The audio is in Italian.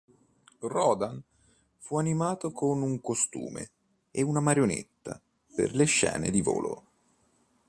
Rodan fu animato con un costume e una marionetta per le scene di volo.